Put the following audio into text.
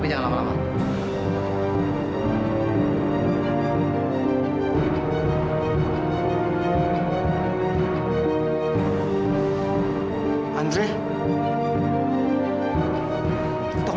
pasti ada kejadian di vasco